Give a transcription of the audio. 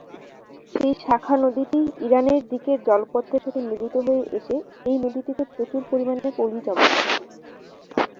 সেই শাখা নদীটি ইরানের দিকের জলপথের সাথে মিলিত হয়ে এসে, এই নদীটিতে প্রচুর পরিমাণে পলি জমা করে।